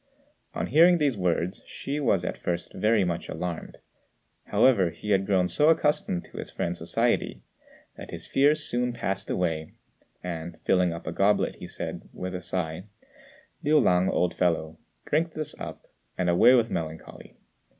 On hearing these words, Hsü was at first very much alarmed; however, he had grown so accustomed to his friend's society, that his fears soon passed away; and, filling up a goblet, he said, with a sigh, "Liu lang, old fellow, drink this up, and away with melancholy.